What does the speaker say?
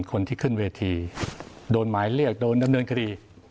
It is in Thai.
คนที่ขึ้นเวทีโดนหมายเรียกโดนดำเนินคดี